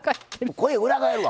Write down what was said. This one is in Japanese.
声裏返るわ。